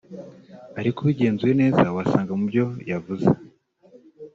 ariko ubigenzuye neza wasanga mubyo yavuze